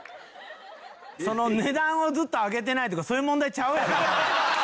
値段をずっと上げてないとかそういう問題ちゃうやろ。